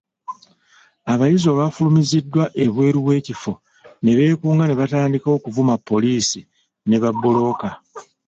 Abayizi olwafulumiziddwa ebweru w'ekifo ne beekunga ne batandika okuvuma poliisi ne babbulooka.